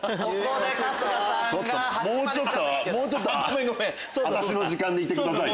もうちょっともうちょっと私の時間でいてくださいよ。